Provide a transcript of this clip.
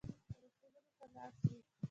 روغتون ته لاړ شئ